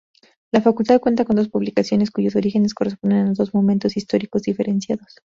La Facultad cuenta con dos publicaciones, cuyos orígenes corresponden a dos momentos históricos diferenciados.